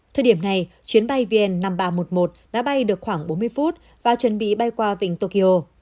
thời điểm này chuyến bay vn năm nghìn ba trăm một mươi một đã bay được khoảng bốn mươi phút và chuẩn bị bay qua vịnh tokyo